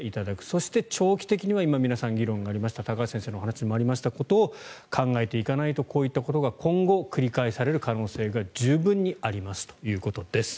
そして、長期的には今、皆さんの議論でありました高橋先生の話にもありましたことを考えていかないとこういったことが今後繰り返される可能性が十分にありますということです。